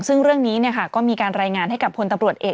ซึ่งเรื่องนี้ก็มีการรายงานให้กับพลตำรวจเอก